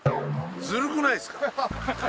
ずるくないですか？